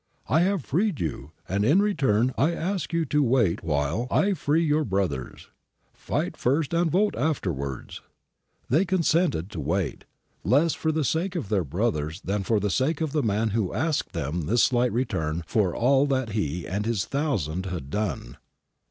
I have freed you, and in return I ask you to wait while I free your brothers. Fight first and vote afterwards.' They consented to wait, less for the sake of their brothers than for the sake of the man who asked of them this slight return for all that he and his Thousand had done.